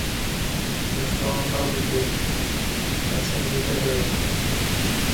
نݜٹاں پہ بوتے نچیں دی پٹہ وہ یا ۔